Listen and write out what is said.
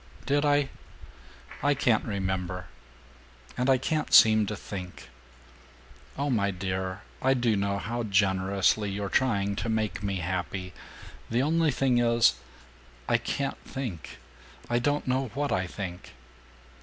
"Did I? I can't remember. And I can't seem to think. Oh, my dear, I do know how generously you're trying to make me happy. The only thing is I can't think. I don't know what I think."